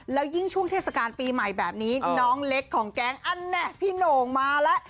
แล้วยิ่งช่วงเทศกาลปีใหม่แบบนี้น้องเล็กของแก๊งอันแน่พี่โหน่งมาแล้ว